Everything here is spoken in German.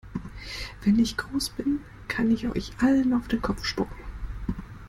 Wenn ich groß bin, kann ich euch allen auf den Kopf spucken!